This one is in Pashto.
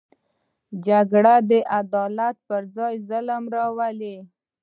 جګړه د عدالت پر ځای ظلم راولي